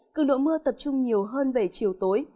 cường độ mưa tập trung nhiều hơn về chiều tối